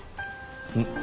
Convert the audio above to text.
うん。